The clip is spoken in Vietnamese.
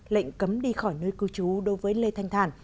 lệnh cấm đi khỏi nơi cư trú đối với lê thanh thản